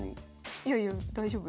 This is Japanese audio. いやいや大丈夫？